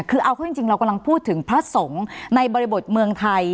คือเอาเข้าจริงเรากำลังพูดถึงพระสงฆ์ในบริบทเมืองไทย